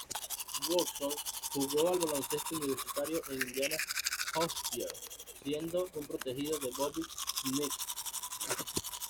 Woodson jugó al baloncesto universitario en Indiana Hoosiers, siendo un protegido de Bobby Knight.